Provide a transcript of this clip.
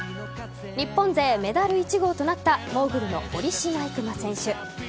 日本勢メダル１号となったモーグルの堀島行真選手。